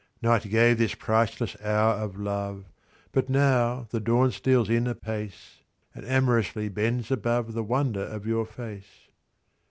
Night gave this priceless hour of love, But now the dawn steals in apace, And amorously bends above The wonder of your face.